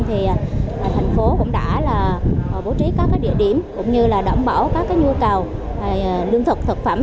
thì thành phố cũng đã bố trí các địa điểm cũng như là đảm bảo các nhu cầu lương thực thực phẩm